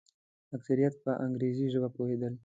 اکثریت په انګریزي ژبه پوهېدل.